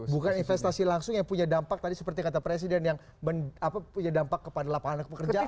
bukan investasi langsung yang punya dampak tadi seperti kata presiden yang punya dampak kepada lapangan pekerjaan